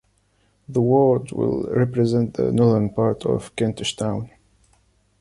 The ward will represent the northern part of Kentish Town.